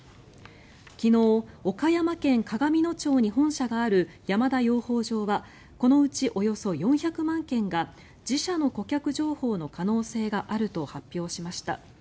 昨日、岡山県鏡野町に本社がある山田養蜂場はこのうちおよそ４００万件が自社の顧客情報の可能性があると発表しました。